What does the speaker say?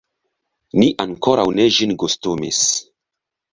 Ni ankoraŭ ne ĝin gustumis.